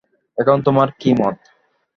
এখন তোমার কী মত।